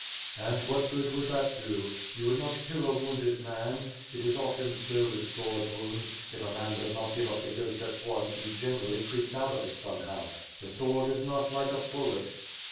"And what good would that do? You would not kill a wounded man! It is often so with sword wounds; if a man does not give up the ghost at once, he generally creeps out of it somehow. The sword is not like a bullet."